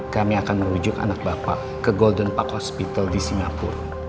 kami akan merujuk anak bapak ke golden pak hospital di singapura